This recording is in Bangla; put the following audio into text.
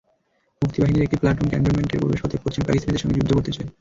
মুক্তিবাহিনীর একটি প্লাটুন ক্যান্টনমেন্টের প্রবেশপথে পশ্চিম পাকিস্তানিদের সঙ্গে যুদ্ধ করতে চায়।